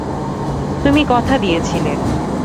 তুমি কথা দিয়েছিলে।